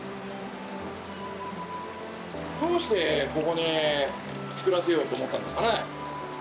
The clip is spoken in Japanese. どうしてここにつくらせようと思ったんですかね。